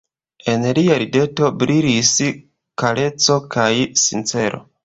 En lia rideto brilis kareco kaj sincero.